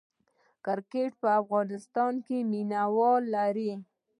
کرکټ په افغانستان کې مینه وال لري